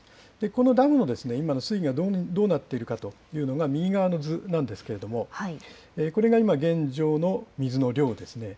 このダムの今の水位がどうなっているかというのが、右側の図なんですけれども、これが今、現状の水の量ですね。